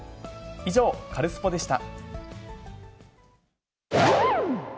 以上、カルスポっ！でした。